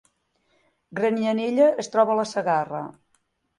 Granyanella es troba a la Segarra